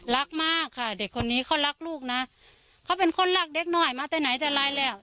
รักมากค่ะเด็กคนนี้เขารักลูกนะเขาเป็นคนรักเด็กน้อยมาแต่ไหนแต่ไรแล้ว